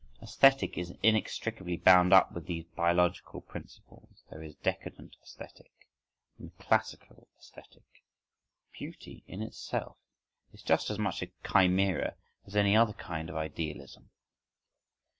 Æsthetic is inextricably bound up with these biological principles: there is decadent æsthetic, and classical æsthetic,—"beauty in itself" is just as much a chimera as any other kind of idealism.